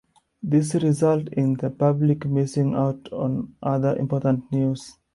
This results in the public missing out on other important news.